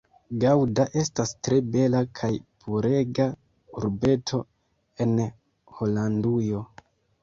Gaŭda estas tre bela kaj purega urbeto en Holandujo.